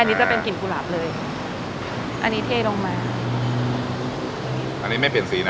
อันนี้จะเป็นกลิ่นกุหลาบเลยอันนี้เทลงมาอันนี้ไม่เปลี่ยนสีนะ